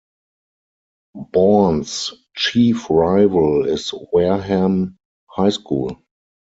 Bourne's chief rival is Wareham High School.